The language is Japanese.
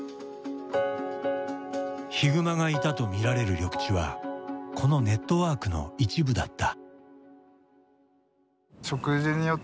ヒグマがいたと見られる緑地はこのネットワークの一部だった。